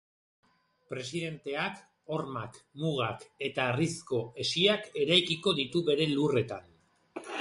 Presidenteak hormak, mugak eta harrizko hesiak eraikiko ditu bere lurretan.